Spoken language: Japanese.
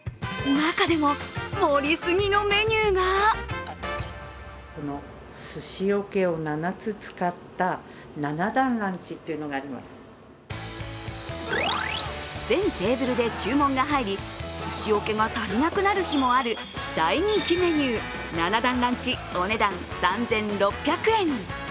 中でも盛り過ぎのメニューが全テーブルで注文が入りすしおけが足りなくなる日もある大人気メニュー、７段ランチお値段３６００円。